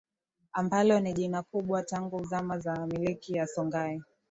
ambalo ni jina kubwa tangu zama za milki ya Songhai